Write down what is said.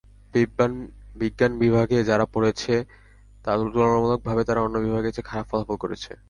বিজ্ঞান বিভাগে যারা পড়ছে, তুলনামূলকভাবে তারা অন্য বিভাগের চেয়ে খারাপ ফলাফল করছে।